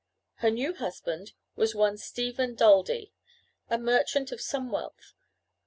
Her new husband was one Stephen Daldy, a merchant of some wealth.